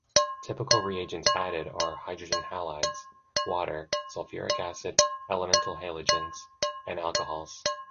Typical reagents added are hydrogen halides, water, sulfuric acid, elemental halogens and alcohols.